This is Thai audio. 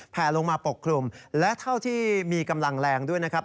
แผลลงมาปกคลุมและเท่าที่มีกำลังแรงด้วยนะครับ